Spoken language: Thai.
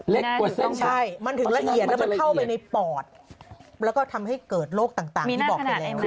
เล็กกว่าเส้นผมใช่ไหมมันถึงละเอียดแล้วมันเข้าไปในปอดแล้วก็ทำให้เกิดโรคต่างที่บอกให้แล้ว